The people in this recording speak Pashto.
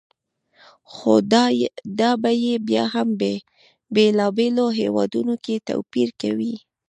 خو دا بیې بیا هم بېلابېلو هېوادونو کې توپیر کوي.